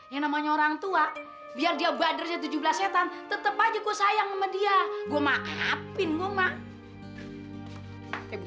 yang namanya orangtua biar dia bader tujuh belas setan tetep aja ku sayang sama dia gua maafin gua maaf